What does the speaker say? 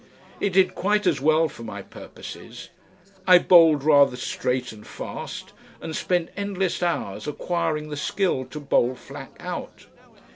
It did quite as well for my purposes. I bowled rather straight and fast, and spent endless hours acquiring the skill to bowl Flack out.